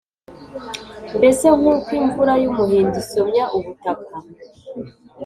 mbese nk’uko imvura y’umuhindo isomya ubutaka.»